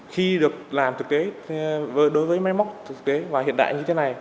khi được làm thực tế đối với máy móc thực tế và hiện đại như thế này